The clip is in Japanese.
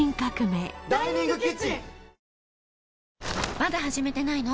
まだ始めてないの？